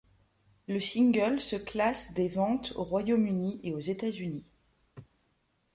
Le single se classe des ventes au Royaume-Uni et aux États-Unis.